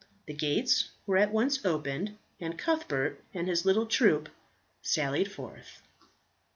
The gates were at once opened, and Cuthbert and his little troop sallied forth.